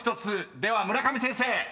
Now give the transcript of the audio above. では村上先生］